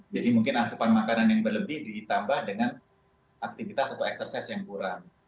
jadi mungkin asupan makanan yang berlebih ditambah dengan aktivitas atau eksersis yang kurang